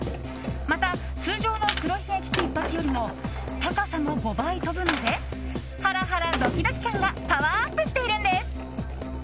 また、通常の黒ひげ危機一髪よりも高さも５倍飛ぶのでハラハラドキドキ感がパワーアップしているんです。